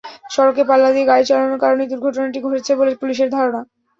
সড়কে পাল্লা দিয়ে গাড়ি চালানোর কারণেই দুর্ঘটনাটি ঘটেছে বলে পুলিশের ধারণা।